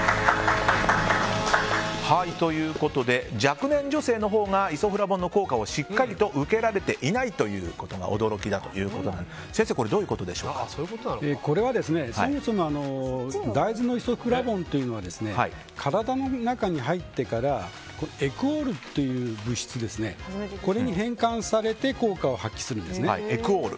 若年女性のほうがイソフラボンの効果をしっかりと受けられていないということが驚きだということなんですがこれは、そもそも大豆のイソフラボンというのは体の中に入ってからエクオールという物質に変換されて効果を発揮するんですね。